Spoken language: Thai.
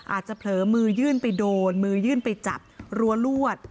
เผลอมือยื่นไปโดนมือยื่นไปจับรั้วลวด